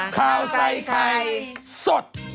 ข่าวใส่ไข่สด